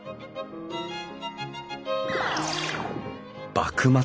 幕末